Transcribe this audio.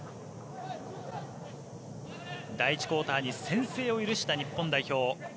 第１クオーターに先制を許した日本代表。